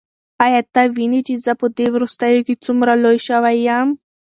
ایا ته وینې چې زه په دې وروستیو کې څومره لوی شوی یم؟